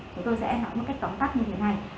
chúng tôi sẽ nói một cách tóm tắt như thế này